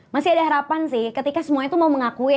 masih ada harapan sih ketika semua itu mau mengakui